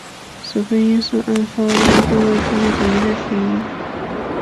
舌根音是按发音部位分类的一类辅音。